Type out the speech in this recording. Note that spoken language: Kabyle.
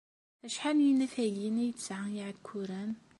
Acḥal n yinafagen ay tesɛa Iɛekkuren?